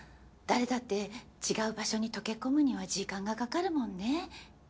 誰だって違う場所に溶け込むには時間がかかるもんね。